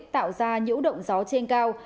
tạo ra nhiễu động gió trên cao